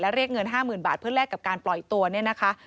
เรียกเงิน๕๐๐๐บาทเพื่อแลกกับการปล่อยตัวเนี่ยนะคะ